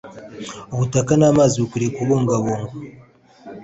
Ubutaka n’ amazi bikwiye kubungabungwa